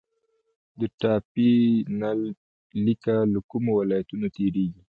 د ټاپي نل لیکه له کومو ولایتونو تیریږي؟